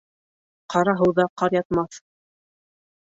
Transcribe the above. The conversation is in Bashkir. Ҡара һыуҙа ҡар ятмаҫ.